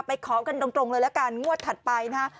ขอกันตรงเลยละกันงวดถัดไปนะฮะ